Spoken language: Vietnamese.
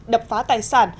đập phá tài sản